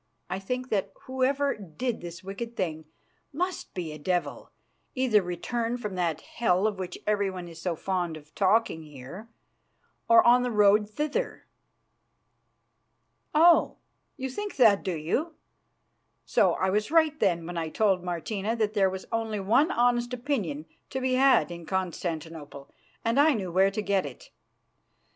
I think that whoever did this wicked thing must be a devil, either returned from that hell of which everyone is so fond of talking here, or on the road thither." "Oh! you think that, do you? So I was right when I told Martina that there was only one honest opinion to be had in Constantinople and I knew where to get it.